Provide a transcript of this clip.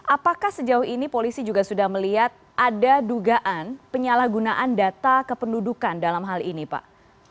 apakah sejauh ini polisi juga sudah melihat ada dugaan penyalahgunaan data kependudukan dalam hal ini pak